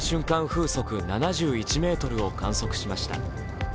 風速７１メートルを観測しました。